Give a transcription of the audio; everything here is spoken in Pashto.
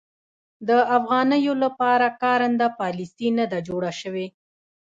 د افغانیو لپاره کارنده پالیسي نه ده جوړه شوې.